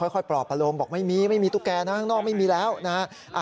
ค่อยปลอบประโลมบอกไม่มีไม่มีตุ๊กแกนะข้างนอกไม่มีแล้วนะฮะ